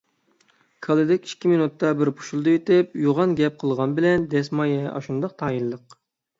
كالىدەك ئىككى مېنۇتتا بىر پۇشۇلدىۋېتىپ يوغان گەپ قىلغان بىلەن دەسمايە ئاشۇنداق تايىنلىق.